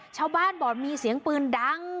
ชาวบ้านบอกมีเสียงปืนดัง